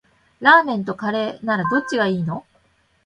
ラーメンとカレーならどっちがいいの？